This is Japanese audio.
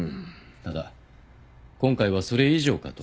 ただ今回はそれ以上かと。